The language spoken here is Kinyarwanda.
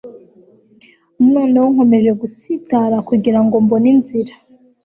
noneho nkomeje gutsitara kugirango mbone inzira